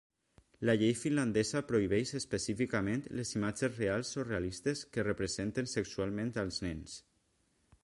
La llei finlandesa prohibeix específicament les imatges reals o realistes que representen sexualment els nens.